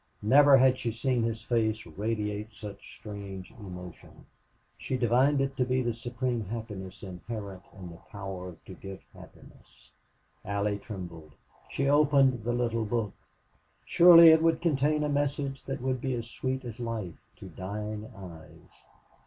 Never had she seen his face radiate such strange emotion. She divined it to be the supreme happiness inherent in the power to give happiness. Allie trembled. She opened the little book. Surely it would contain a message that would be as sweet as life to dying eyes.